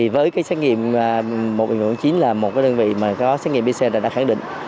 với xét nghiệm một chín là một đơn vị mà có xét nghiệm pcr đã khẳng định